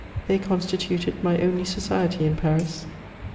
They constituted my only society in Paris.